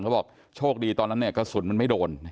เขาบอกโชคดีตอนนั้นเนี่ยกระสุนมันไม่โดน